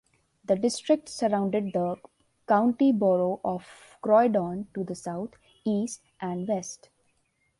The district surrounded the County Borough of Croydon to the south, east and west.